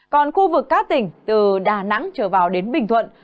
còn khu vực các tỉnh từ đà nẵng trở vào đến bình thuận